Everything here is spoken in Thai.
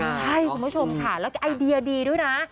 ใช่คุณผู้ชมค่ะแล้วก็ไอเดียดีด้วยนะ